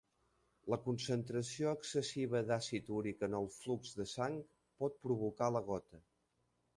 La concentració excessiva d'àcid úric en el flux de sang pot provocar la gota.